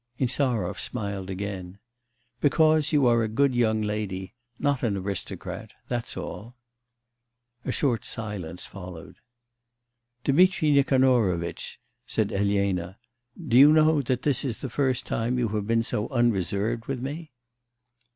Insarov smiled again. 'Because you are a good young lady, not an aristocrat... that's all.' A short silence followed. 'Dmitri Nikanorovitch,' said Elena, 'do you know that this is the first time you have been so unreserved with me?